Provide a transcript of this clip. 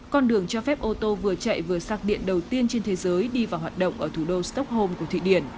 con đường cho phép ô tô vừa chạy vừa sạc điện đầu tiên trên thế giới đi vào hoạt động ở thủ đô stockholm của thụy điển